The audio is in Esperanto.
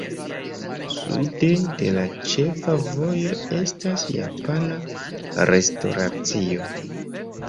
Sude de la ĉefa vojo estas japana restoracio.